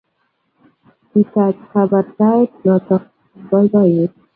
Kigitach kabartaet noto eng boiboiyet